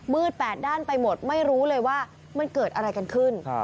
๘ด้านไปหมดไม่รู้เลยว่ามันเกิดอะไรกันขึ้น